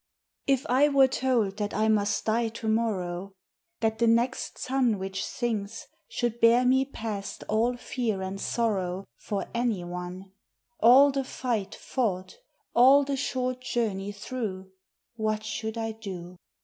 If I were told that T must die to morrow, That the next sun Which sinks should bear me past all fear and sorrow For any one, All the fight fought, all the short journey through, What should I do?